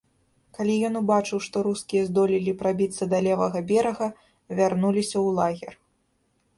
Калі ён убачыў, што рускія здолелі прабіцца да левага берага, вярнуліся ў лагер.